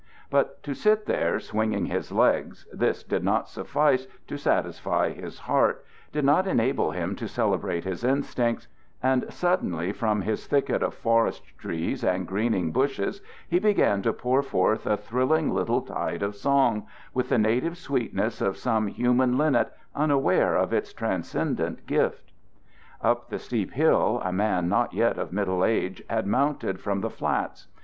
But to sit there swinging his legs this did not suffice to satisfy his heart, did not enable him to celebrate his instincts; and suddenly from his thicket of forest trees and greening bushes he began to pour forth a thrilling little tide of song, with the native sweetness of some human linnet unaware of its transcendent gift. Up the steep hill a man not yet of middle age had mounted from the flats.